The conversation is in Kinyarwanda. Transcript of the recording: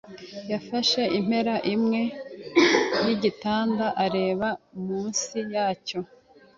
yafashe impera imwe yigitanda areba munsi yacyo.